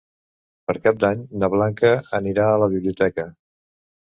Per Cap d'Any na Blanca anirà a la biblioteca.